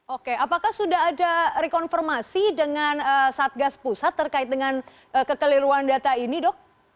oke apakah sudah ada rekonfirmasi dengan satgas pusat terkait dengan kekeliruan data ini dok